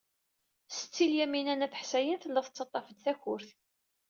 Setti Lyamina n At Ḥsayen tella tettaḍḍaf-d takurt.